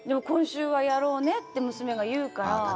今週はやろうねって娘が言うから。